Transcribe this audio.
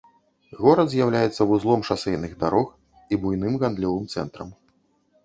Горад з'яўляецца вузлом шасэйных дарог і буйным гандлёвым цэнтрам.